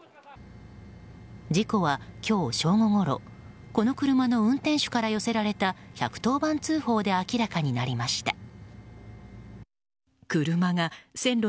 事故は、今日正午ごろこの車の運転手から寄せられた１１０番通報で明らかになりました。